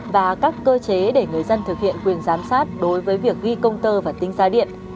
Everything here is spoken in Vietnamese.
và các cơ chế để người dân thực hiện quyền giám sát đối với việc ghi công tơ và tính giá điện